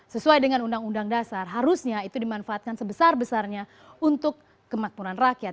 sesuai dengan undang undang dasar harusnya itu dimanfaatkan sebesar besarnya untuk kemakmuran rakyat